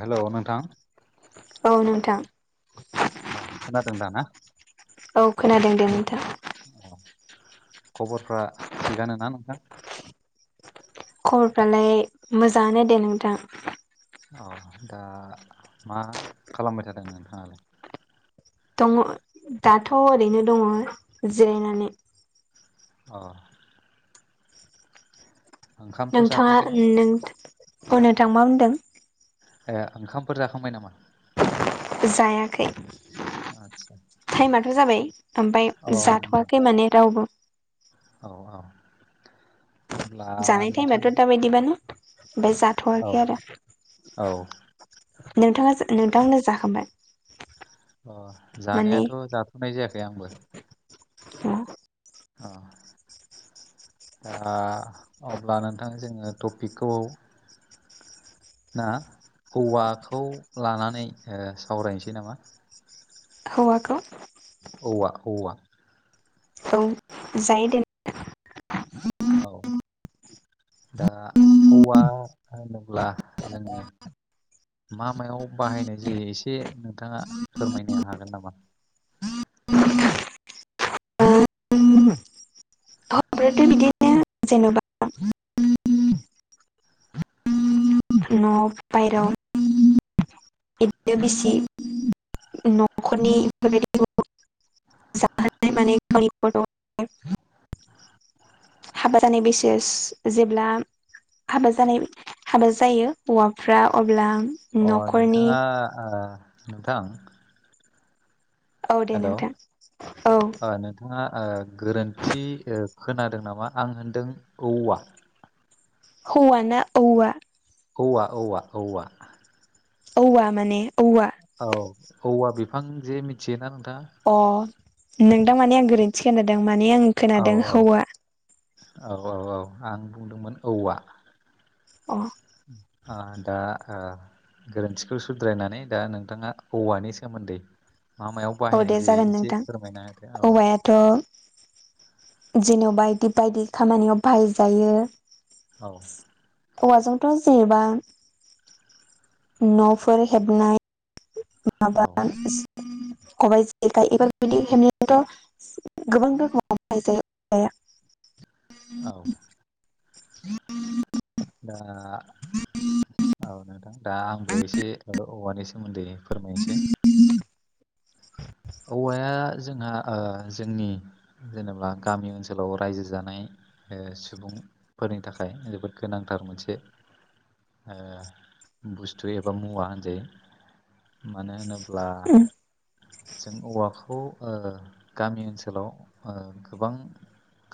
Hello नोंथां औ नोंथां अ खोनादों दा ना औ खोनादों दे नोंथां औ खबरफ्रा थिगानो ना नोंथां खबरफ्रालाय मोजाङानो दे नोंथां अ दा मा खालामबाय थादों नोंथाङालाय दङ दाथ' ओरैनो दङ जिरायनानै अ ओंखामथ' नोंथाङा जाथ'वाखैना नों अ नोंथां मा बुंदों ए ओंखामफोर जाखांबाय नामा जायाखै आदसा टाइमाथ जाबाय ओमफाय अ नोंथां जाथवाखै माने रावबो औ औ अब्ला जानाय नोंथां टाइमाथ‌ दाबायदिबानो ओमफाय औ जाथवाखै आरो औ नोंथाङा नोंथांमोना जाखांबाय अ माने जानायाथ जाथनाय जायाखै आंबो अ आ अब्ला नोंथां जोङो टपिकखौ ना औवाखौ लानानै सावरायनोसै नामा हौवाखौ औवा औवा औ जायो दे औ दा हौवा होनोब्ला जोङो मा मायाव बाहायनाय जायो एसे नोंथाङा फोरमायनो हागोन नामा [unintelligible] बिदि जेनेबा न' वाव बाहेराव [unintelligible] [unintelligible] हाबा जानाय बैसो जेब्ला हाबा जानाय हाबा जायो हौवाफ्रा अब्ला अ न'खरनि नोंथाङा आ नोंथां औ दे नोंथां औ नङा ओ गोरोन्थि खोनादों नामा आं होनदों औवा हौवाना औवा औवा औवा औवा औवा माने औवा औ औवा बिफां जे मिथियोना नोंथाङा अ नोंथां माने आं गोरोन्थि खोनादों माने आं औ औ खोनादों हौवा औ औ औ आं बुंदोंमोन औवा अ आ दा आ गोरोन्थिखौ सुद्रायनानै दा नोंथाङा औवानि सोमोन्दै मा मायाव औ बाहायनाय जायो एसे फोरमायनाहोदो औ थ जेन बायदि बायदि खामानियाव बाहायजायो औ औवाजोंथ जेनेबा न'फोर हेबनाय औ माबा खबाय जेखाय बेफोरबादि हेबनायखौ गोबां रखोमावाय बाहायजायो औवाया औ दा औ नोंथां दा आंबो एसे औवानि सोमोन्दै फोरमायनोसै औवाया जोंहा ओ जोंनि जेनेबा गामि ओनसोलाव रायजो जानाय ओ सुबुंफोरनि थाखाय जोबोद गोनांथार मोनसे बुस्थु एबा मुवा होनजायो माने होनोब्ला जों औवाखौ गामि ओनसोलाव ओ गोबां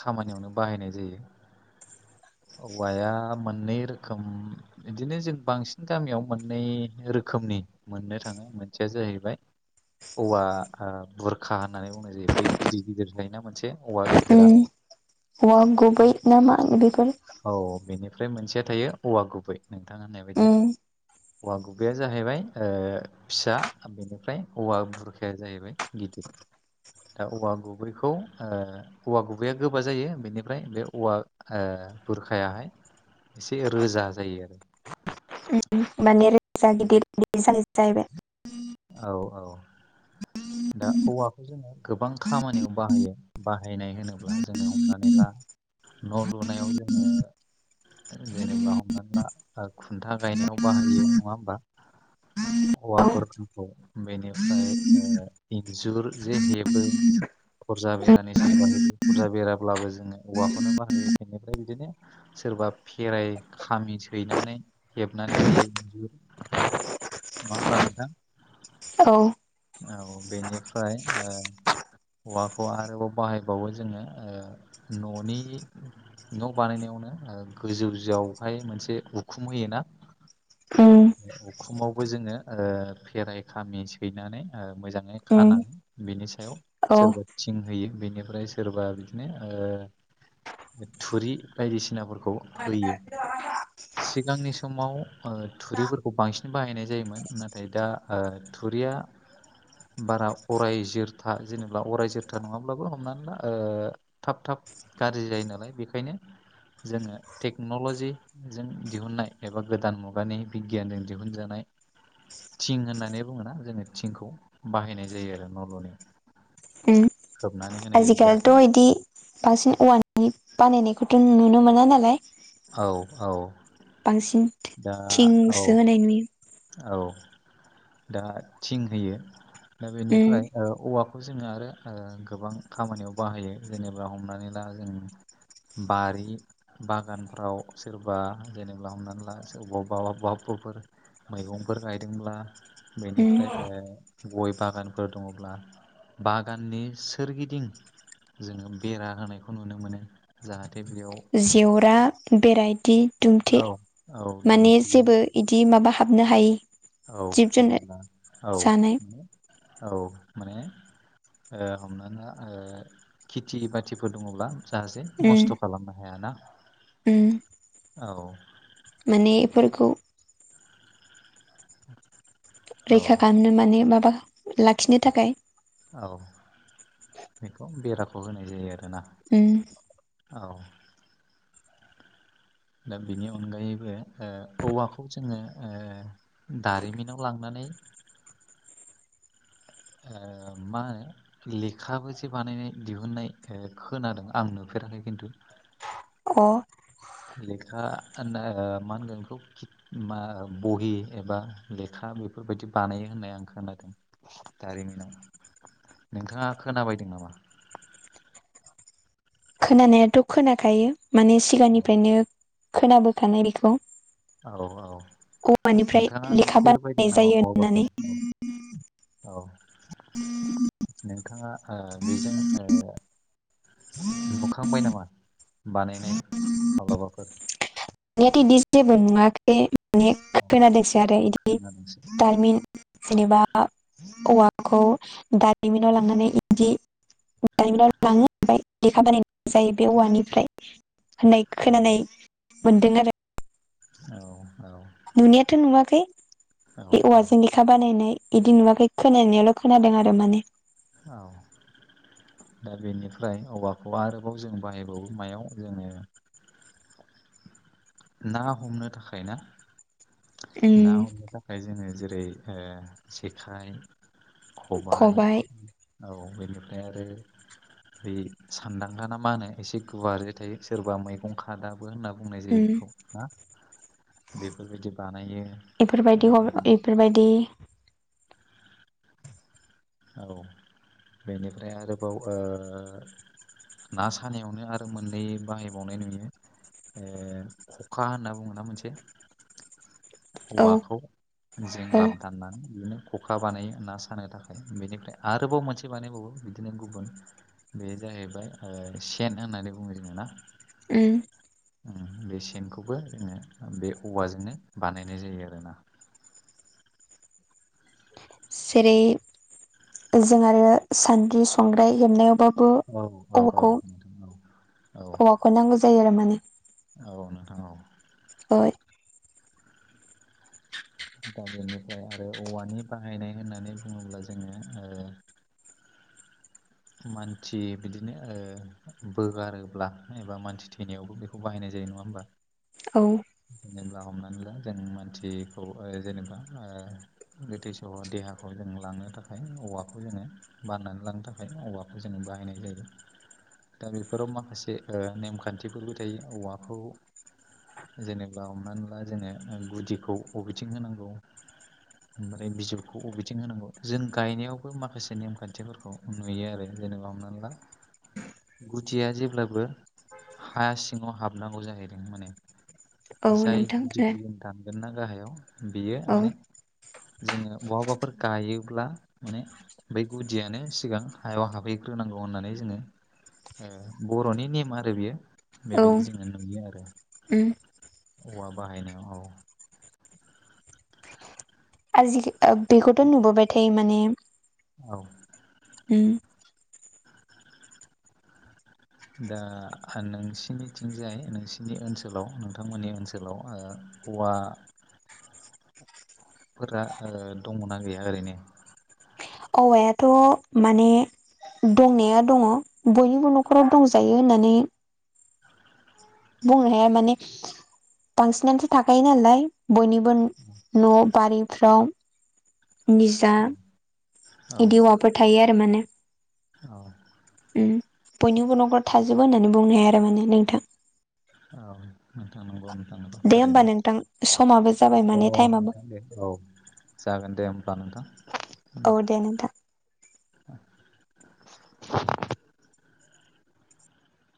खामानियावनो बाहायनाय जायो औवाया मोननै रोखोम बिदिनो जों बांसिन गामियाव मोननै रोखोमनि मोननो थाङो मोनसेया जाहैबाय औवा बुरखा होननानै बुंनाय जायो बै गिदिर गिदिर जायोन मोनसे औवा गिदिरा औवा गुबै ना मा बेफोर औ बेनिफ्राय मोनसेया थायो औवा गुबै नोंथाङा होननाय बायदि उम औवा गुबैया जाहैबाय फिसा बेनिफ्राय औवा बुरखाया जाहैबाय गिदिर दा औवा गुबैखौ औवा गुबैया गोबा जायो बेनिफ्राय बे औवा ओ बुरखायाहाय एसे रोजा जायो आरो माने रोजा गिदिर ज जाहैबाय औ औ दा औवाखौ जोङो गोबां खामानियाव बाहायो बाहायनाय होनोब्ला जोङो हमनानै ला न' लुनायाव जोङो जेनेब्ला हमनानै ला खुन्था गायनायाव बाहायो नङा होमबा औवाफोरखौ बेनिफ्राय इन्जुर जे हेबो दरजा उम बेरानि सोर बाहायो फरजा बेराब्लाबो जोङो औवाखौनो बाहायो बेनिफ्राय बिदिनो सोरबा फेराइ खामि सैनानै हेबनानै होयो इन्जुर मा होमब्ला नोंथां औ औ बेनिफ्राय हौवाखौ आरोबाव बाहायबावो जोङो न'नि न' बानायनायावनो गोजौ जआवहाय मोनसे उखुम होयोना उम उखुमावबो जोङो खेराइ खामि सैनानै मोजाङै उम खानानै बिनि सायाव औ सोरबा थिं होयो बेनिफ्राय सोरबा बिदिनो थुरि बायदिसिनाफोरखौ होयो सिगांनि समाव ओ थुरिफोरखौ बांसिन बाहायनाय जायोमोन नाथाय दा थुरिया बारा अराय जोरथा जेनेबा अराय जोरथा नङाब्लाबो हमनानै ला थाब थाब गाज्रि जायो नालाय बेखायनो जोङो टेक्न'ल'जिजों दिहुननाय एबा गोदान मुगानि बिगियानजों दिहुनजानाय थिं होननानै बुङोना जोङो थिंखौ बाहायनाय जायो आरो न' ल'नि उम जाहाथे आजिखालिथ' बिदि बांसिन औवानि बानायनायखौथ' नुनो मोना नालाय औ औ बांसिन दा औ थिंसो होनाय नुयो औ दा थिं होयो दा उम बेनिफ्राय औवाखौ बे खौ जोङो आरो गोबां खामानियाव बाहायो जेनेबा हमनानै ला जों बारि बागानफ्राव सोरबा जेनेबा हमनानै ला सोरबावबा आबबा आबबुफोर मैगंफोर गायदोंब्ला उम बेनिफ्राय गय बागानफोर दङब्ला बागाननि सोरगिदिं जोङो बेरा होनायखौ नुनो मोनो जाहाथे बेयाव देवरा बेरायदि दुमथे औ औ माने दुमथियो जेबो बिदि माबा हाबनो हायि औ जिब जुनार जेनेबा औ जानाय औ माने ओ हमना खेथि बाथिफोर दङब्ला दासे उम नस्थ' खालामनो हायाना उम औ माने बेफोरखौ औ रैखा खालामनो माने माबा लाखिनो थाखाय औ बेखौ बेराखौ होनाय जायो आरोना उम औ दा बिनि अनगायैबो औवाखौ जोङो दारिमिनाव लांनानै मा होनो लेखाबो जे बानायनाय दिहुननाय खोनादों आं नुफेराखै खिन्थु अ लेखा मा होनगोन बेखौ मा बहि एबा लेखा बेफोरबायदि बानायो होननाय आं खोनादों जारिमिनाव नोंथाङा खोनाबायदों नामा? खोनानायाथ' खोनाखायो माने औ सिगांनिफ्रायनो खोनाबोखानाय बेखौ औ औ औवानिफ्राय नोंथाङा लेखा नोंसेर बायदों बानायनाय नामा जायो होननानै बहाबाफोर औ औ नोंथाङा बेजों नुखांबाय नामा बानायनाय माब्लाबाफोर दनायाथ' बिदि जेबो नुवाखै मान औ खोनादोंसै आरो इदि खोनादोंसो दारिमिन जेनेबा औवाखौ दारिमिनाव लांनानै इदि लाङनो हाय लेखा बानायनाय जायो बे औवानिफ्राय होननाय औ खोनानै मोनदों आरो औ औ नुनायाथ' नुवाखै औ बे औ औवाजों सिखा बानायनाय इदि नुवाखै खोनानायल' खोनादों आरो माने औ दा बेनिफ्राय औवाखौ आरोबाव जों बाहायबावो मायाव जोङो ना हमनो थाखाय ना ना उम हमनो थाखाय जोङो जेरै जेखाइ खबाय खबाइ औ बेनिफ्राय आरो सानदांगखााना मा होनो एसे गुवार ज थायो सोरबा मैगं हादाबो होनना बुंनाय जायो उम बेखौ ना बेफोरबायदि बानायो ओ इफोरबायदि ह बेनि- बेफोरबायदि औ बेनिफ्राय आरोबाव ना सानायावनो आरो मोनलै बाहायबावनाय नुयो। ए खखा होनना बुङोना मोनसे औ हौवाखौ औ जेंलाब दाननानै बिदिनो खखा बानायो होनना सानो थाखाय बेनिफ्राय आरोबाव मोनसे बानायबावो बिदिनो गुबुन बे जाहैबाय सेन होननानै बुङो जोङो ना ओ बे सेनखौबो जोङो बे औवाजोंनो बानायनाय जायो आरोना जेरै जों आरो सान्द्रि संग्राय हेबनायावबो औ औ औ ना औ औवाखौ नांगौ जायो आरो माने औ औ नोंथां औ [inaudible] गामिरनिफ्राय आरो औवानि बाहायनाय होननानै बुङोब्ला जोङो मानसि बिदिनो बोगारोब्ला एबा मानसि थैनायावबो बेखौ बाहायनाय जायो नङा होमबा औ जेनेबा हमनानै ला जों मोनथियिखौ जेनेबा गोथैसा देहाखौ जों लांनो थाखाय औवाखौ जोङो बाननानै लांनो थाखाय औवाखौ जोङो बाहायनाय जायो दा बेफोराव माखासे नेमखान्थिफोरबो थायो औवाखौ जेनेबा हमनानै ला जोङो गुदिखौ बबेथिं होनांगौ ओमफ्राय बिजौखौ बबेथिं होनांगौ जों गायनायावबो माखासे नेमखान्थिफोरखौ नुयो आरो जेनेबा हमनानै ला गुदिया जेब्लाबो हा सिङाव हाबनांगौ जाहैदों माने औ जाय नोंथां गुदिखौ जों दानगोन ना गाहायाव बेयो औ माने जोङो बहाबाफोर गायोब्ला माने बै गुदियानो सिगां हायाव हाबहैग्रोनांगौ होननानै जोङो ए बर'नि नेम आरो बेयो औ बेबायदि जोङो नुयो आरो उम औवा बाहायनायाव औ आजि बेखौथ' नुबोबायथायो माने औ उ [inaudible] दा नोंसिनिथिंजाय नोंसिनि ओनसोलाव नोंथांमोननि ओनसोलाव हौवा फोरा दङना गैया ओरैनो औवायाथ' माने दंनाया दङ बयनिबो न'खराव दंजायो होननानै बुंनो हाया माने बांसिनानोथ' थाखायो नालाय बयनिबो न' बारिफ्राव निजा औ बिदि हौवाफोर थायो आरो माने औ बयनिबो न'खराव थाजोबो होननानै बुंनो हाया आरो माने नोंथां औ नोंथां नंगौ नोंथां नंगौ दे होमबा थारैनो नोंथां समाबो जाबाय अ माने टाइमाबो नोंथां दे औ जागोन दे ओमबा नोंथां औ दे नोंथां